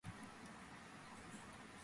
არკინარეთის სამხრეთ-დასავლეთ განაპირას.